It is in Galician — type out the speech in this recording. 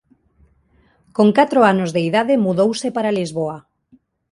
Con catro anos de idade mudouse para Lisboa.